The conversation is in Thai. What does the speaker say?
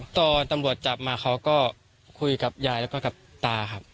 ตอนตำรวจจับมาเขาก็คุยกับยายแล้วก็กับตาครับ